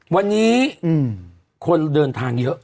วันนี้คนเดินทางเยอะ